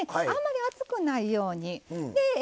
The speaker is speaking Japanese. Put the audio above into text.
あんまり熱くないように。